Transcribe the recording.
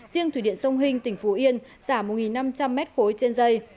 riêng thủy điện sông hinh tỉnh phú yên xả một năm trăm linh m khối trên dây